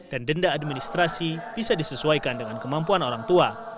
dan denda administrasi bisa disesuaikan dengan kemampuan orang tua